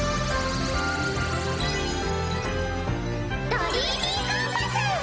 ドリーミーコンパス！